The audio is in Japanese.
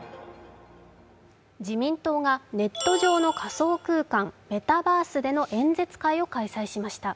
自民党がネット上の仮想空間＝メタバースでの演説会を開催しました。